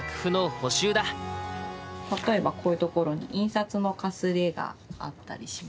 例えばこういうところに印刷のかすれがあったりします。